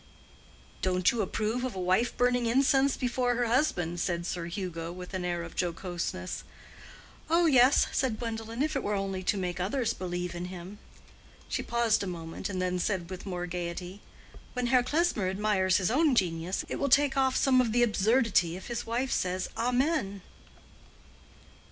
"Don't you approve of a wife burning incense before her husband?" said Sir Hugo, with an air of jocoseness. "Oh, yes," said Gwendolen, "if it were only to make others believe in him." She paused a moment and then said with more gayety, "When Herr Klesmer admires his own genius, it will take off some of the absurdity if his wife says Amen."